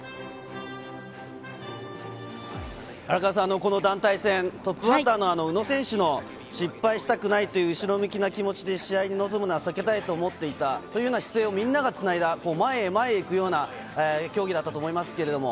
荒川さん、団体戦、トップバッターの宇野選手の失敗したくないという後ろ向きな気持ちで試合に臨むのは避けたいと思っていたという姿勢をみんながつないだ前へ前へ行くような競技だったと思います。